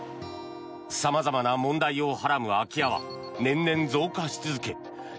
様々な問題をはらむ空き家は年々増加し続け